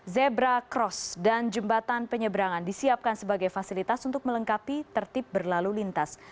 zebra cross dan jembatan penyeberangan disiapkan sebagai fasilitas untuk melengkapi tertib berlalu lintas